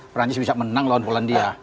perancis bisa menang lawan polandia